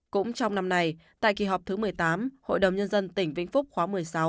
cũng trong năm nay tại kỳ họp thứ một mươi tám hội đồng nhân dân tỉnh vĩnh phúc khóa một mươi sáu